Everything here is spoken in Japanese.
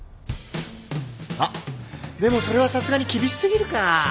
あっでもそれはさすがに厳し過ぎるか。